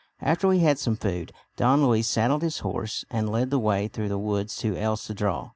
After we had had some food, Don Luis saddled his horse and led the way through the woods to El Cedral.